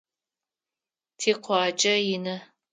Тикъуаджэ ины.